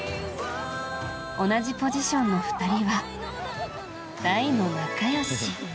同じポジションの２人は大の仲良し。